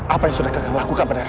apa yang sudah kakak lakukan pada ratih